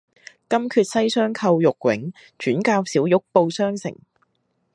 金闕西廂叩玉扃，轉教小玉報雙成。